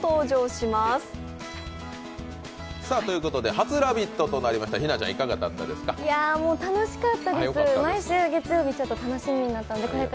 初「ラヴィット！」となりました日奈ちゃんいかがでしたか？